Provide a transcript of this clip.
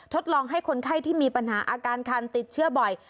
ลองให้คนไข้ที่มีปัญหาอาการคันติดเชื้อบ่อย